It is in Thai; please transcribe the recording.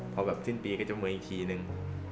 พอสิ้นปีก็จะประเมินอีกทีหนึ่ง